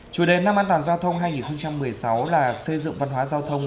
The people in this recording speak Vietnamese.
chủ đề năm an toàn giao thông hai nghìn một mươi sáu là xây dựng văn hóa giao thông